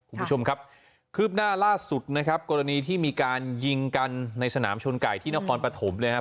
คุณผู้ชมครับคืบหน้าล่าสุดนะครับกรณีที่มีการยิงกันในสนามชนไก่ที่นครปฐมเลยครับ